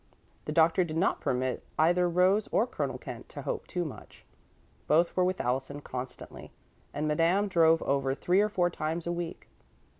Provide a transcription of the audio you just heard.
The doctor did not permit either Rose or Colonel Kent to hope too much. Both were with Allison constantly, and Madame drove over three or four times a week.